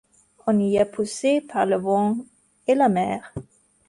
On y est poussé par le vent et la mer.